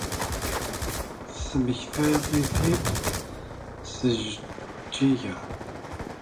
Tesmektay-it-id s Jeǧǧiga.